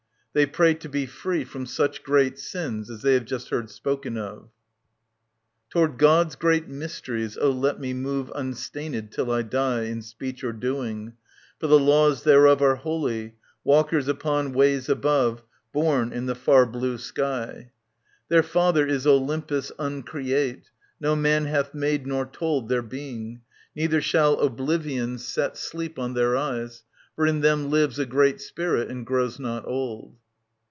[They pray to he free from such great sins as i they have just heard spoken of | [Strophe, Toward God's great mysteries, oh, let me move Unstained till I die In speech or doing ; for the Laws thereof Are holy, walkers upon ways above, Born in the far blue sky ; Their father is Olympus uncreate ; No man hath made nor told Their being ; neither shall Oblivion set 49 » SOPHOCLES TT. 870 893 Sleep on their eyes, for in them lives a great Spirit and grows not old.